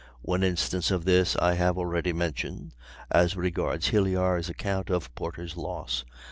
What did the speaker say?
One instance of this I have already mentioned, as regards Hilyar's account of Porter's loss.